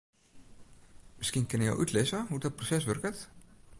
Miskien kinne jo útlizze hoe't dat proses wurket?